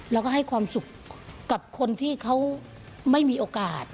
แล้วก็ให้ความสุขกับคนที่เขาไม่มีโอกาส